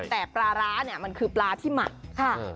แต่ปลาร้าเนี่ยมันคือปลาที่หมักค่ะ